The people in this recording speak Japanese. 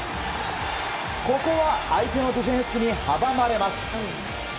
ここは相手のディフェンスに阻まれます。